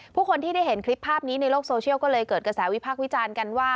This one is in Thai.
ผู้คนที่ได้เห็นคลิปภาพนี้ในโลกโซเชียลก็เลยเกิดกระแสวิพากษ์วิจารณ์กันว่า